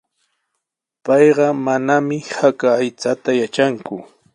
Payqa manami haka aychata yatranku.